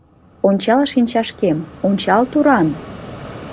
Ончал шинчашкем, ончал туран.